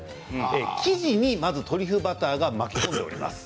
生地に、まずトリュフバターが巻き込まれています。